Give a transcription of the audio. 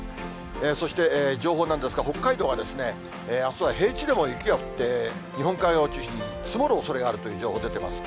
そして情報なんですが、北海道はあすは平地でも雪が降って、日本海側を中心に積もるおそれがあるという情報が出てます。